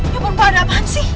ya ampun pak ada apaan sih